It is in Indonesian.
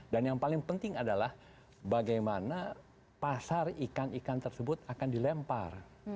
dan yang paling penting adalah bagaimana pasar ikan ikan tersebut akan dilempar